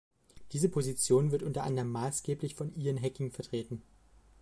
Diese Position wird unter anderem maßgeblich von Ian Hacking vertreten.